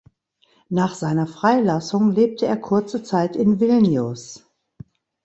Nach seiner Freilassung lebte er kurze Zeit in Vilnius.